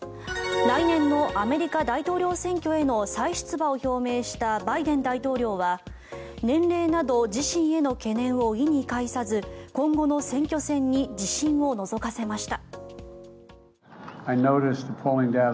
来年のアメリカ大統領選挙への再出馬を表明したバイデン大統領は年齢など自身への懸念を意に介さず今後の選挙戦に自信をのぞかせました。